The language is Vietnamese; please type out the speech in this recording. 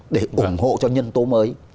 để ủng hộ cho nhân tố mới